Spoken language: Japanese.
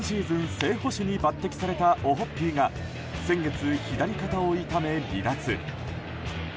正捕手に抜擢されたオホッピーが先月、左肩を痛め離脱。